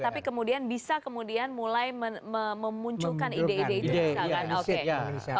tapi kemudian bisa mulai memunculkan ide ide itu